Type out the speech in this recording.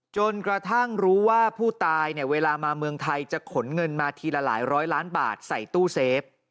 จนกระทั่งรู้ว่าผู้ตายเนี่ยเวลามาเมืองไทยจะขนเงินมาทีละหลายร้อยล้านบาทใส่ตู้เซฟ